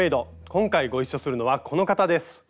今回ご一緒するのはこの方です。